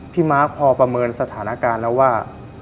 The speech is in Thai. มาร์คพอประเมินสถานการณ์แล้วว่า